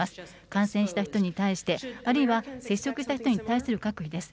感染した人に対して、あるいは接触した人に対する隔離です。